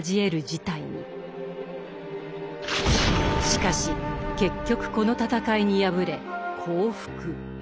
しかし結局この戦いに敗れ降伏。